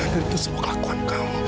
dan itu semua kelakuan kamu